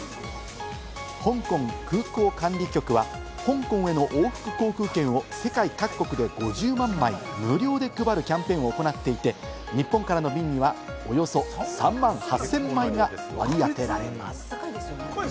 香港空港管理局は香港への往復航空券を世界各国で５０万枚、無料で配るキャンペーンを行っていて、日本からの便にはおよそ３万８０００枚が割りあてられます。